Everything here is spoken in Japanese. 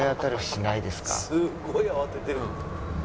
すっごい慌ててる。